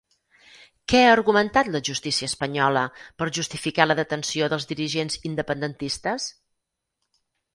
Què ha argumentat la justícia espanyola per justificar la detenció dels dirigents independentistes?